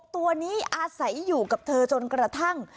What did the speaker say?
ตัวนี้อาศัยอยู่กับเธอจนกระทั่ง